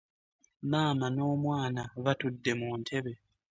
Maama n'omwana batudde mu ntebe.